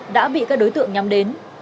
đã bị các đối tượng nhắm đến